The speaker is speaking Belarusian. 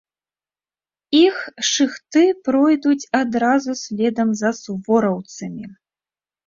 Іх шыхты пройдуць адразу следам за сувораўцамі.